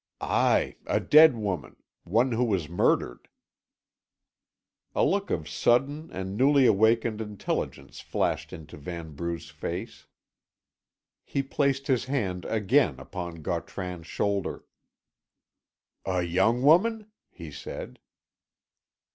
"Aye, a dead woman one who was murdered." A look of sudden and newly awakened intelligence flashed into Vanbrugh's face. He placed his hand again upon Gautran's shoulder. "A young woman?" he said.